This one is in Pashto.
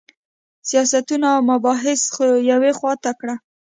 سیاستونه او مباحث خو یوې خوا ته کړه.